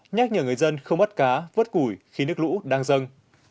nhắc nhở người dân không bắt cá vớt củi khi nước lũ đang dâng